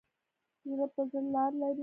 زړه په زړه لار لري.